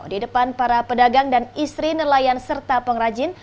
di depan para pedagang dan istri nelayan serta pengrajin